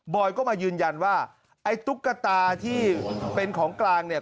อยก็มายืนยันว่าไอ้ตุ๊กตาที่เป็นของกลางเนี่ย